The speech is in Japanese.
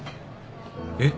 えっ？